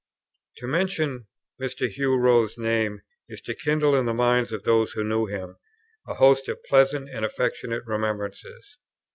To mention Mr. Hugh Rose's name is to kindle in the minds of those who knew him a host of pleasant and affectionate remembrances.